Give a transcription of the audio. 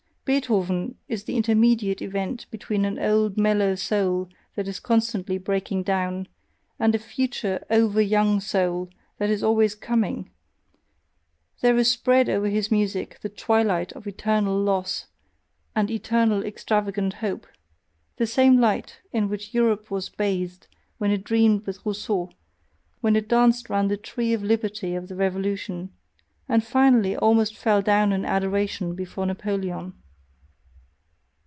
Beethoven is the intermediate event between an old mellow soul that is constantly breaking down, and a future over young soul that is always COMING; there is spread over his music the twilight of eternal loss and eternal extravagant hope, the same light in which Europe was bathed when it dreamed with Rousseau, when it danced round the Tree of Liberty of the Revolution, and finally almost fell down in adoration before Napoleon.